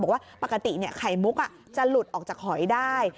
บอกว่าปกติไข่มุกจะหลุดออกจากหอยได้